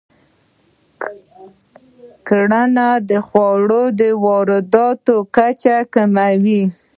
کرنه د خوړو د وارداتو کچه کموي.